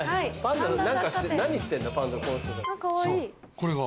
これが。